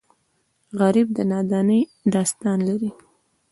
غریب د نادارۍ داستان لري